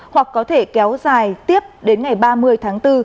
hoặc có thể kéo dài tiếp đến ngày ba mươi tháng bốn